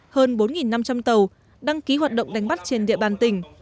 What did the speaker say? hơn bốn năm trăm linh tàu đăng ký hoạt động đánh bắt trên địa bàn tỉnh